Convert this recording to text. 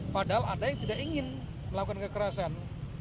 padahal ada yang tidak ingin melakukan kekerasan